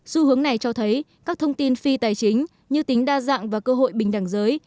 xu hướng này cho thấy các thông tin phi tài chính như tính đa dạng và cơ hội bình đẳng giới